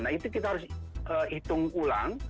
nah itu kita harus hitung ulang